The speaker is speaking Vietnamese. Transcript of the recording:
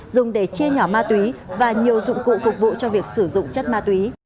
dùng để chia nhỏ ma tùy và nhiều dụng cụ phục vụ cho việc sử dụng chất ma tùy